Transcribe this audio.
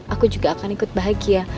aku juga akan ikut bahagia